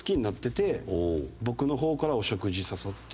僕の方からお食事誘って。